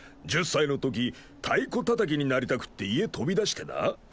１０歳の時太鼓たたきになりたくって家飛び出してな？